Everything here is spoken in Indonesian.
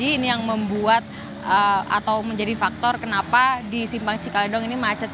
ini yang membuat atau menjadi faktor kenapa di simpang cikalidong ini macet